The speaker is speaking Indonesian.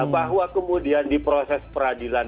bahwa kemudian di proses peradilan